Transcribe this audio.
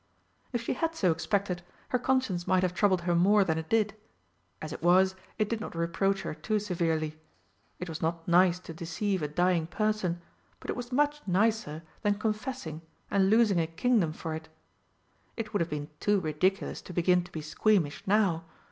If she had so expected, her conscience might have troubled her more than it did. As it was, it did not reproach her too severely. It was not nice to deceive a dying person, but it was much nicer than confessing and losing a Kingdom for it. It would have been too ridiculous to begin to be squeamish now.